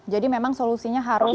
jadi memang solusinya harus